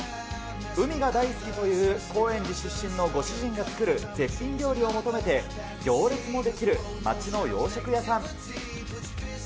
海が大好きという高円寺出身のご主人が作る絶品料理を求めて行列も出来る街の洋食屋さん。